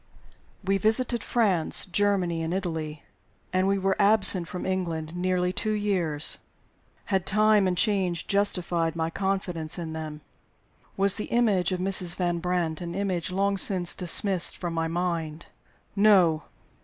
WE visited France, Germany, and Italy; and we were absent from England nearly two years. Had time and change justified my confidence in them? Was the image of Mrs. Van Brandt an image long since dismissed from my mind? No!